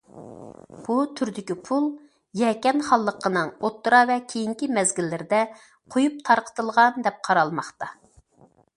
بۇ تۈردىكى پۇل يەكەن خانلىقىنىڭ ئوتتۇرا ۋە كېيىنكى مەزگىللىرىدە قۇيۇپ تارقىتىلغان دەپ قارالماقتا.